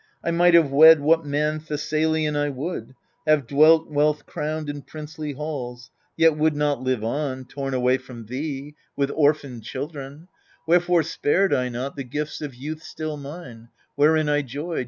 1 might have wed what man Thessalian I would, have dwelt wealth crowned in princely halls ; Yet would not live on, torn away from thee, ALCESTIS 209 With orphaned children : wherefore spared I not The gifts of youth still mine, wherein I joyed.